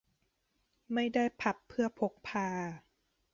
ไม่ได้พับเพื่อพกพา